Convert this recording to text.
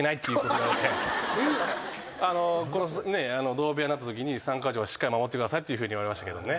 同部屋になったときに３カ条はしっかり守ってくださいっていうふうに言われましたけどね。